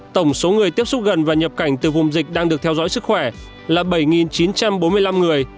tổng số người tiếp xúc gần và nhập cảnh từ vùng dịch đang được theo dõi sức khỏe là bảy chín trăm bốn mươi năm người